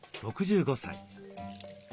６５歳。